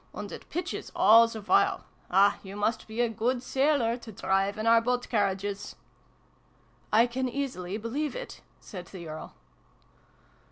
And it pitches all the while. Ah, you must be a good sailor, to drive in our boat carriages !"" I can easily believe it," said the Earl.